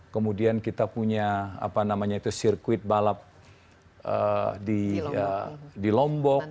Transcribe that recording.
kemudian kita punya apa namanya itu sirkuit balap di lombok